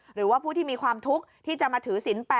หรือว่าผู้ที่มีความทุกข์ที่จะมาถือศิลปะ